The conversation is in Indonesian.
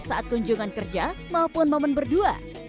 saat kunjungan kerja maupun momen berdua